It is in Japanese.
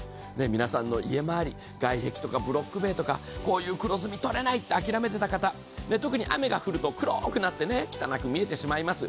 皆さんの家まわり、外壁とかブロック塀とか黒ずみが取れないと諦めていた方、特に雨が降ると黒くなって汚く見えてしまいます。